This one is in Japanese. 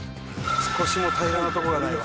少しも平らなとこがないわ。